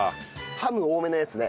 ハム多めのやつね。